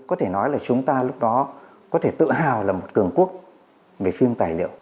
có thể nói là chúng ta lúc đó có thể tự hào là một cường quốc về phim tài liệu